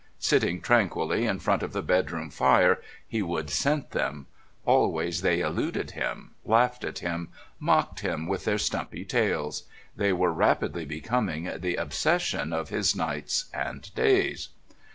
sitting tranquilly in front of the schoolroom fire he would scent them; always they eluded him, laughed at him, mocked him with their stumpy tails. They were rapidly becoming the obsession of his nights and days.